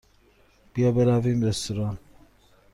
بیا برویم رستوران.